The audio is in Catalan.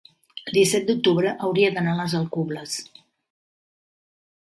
El disset d'octubre hauria d'anar a les Alcubles.